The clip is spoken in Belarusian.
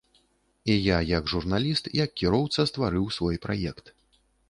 І я як журналіст, як кіроўца стварыў свой праект.